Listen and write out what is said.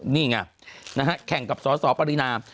นี่ไงนะฮะแข่งกับสสปรินา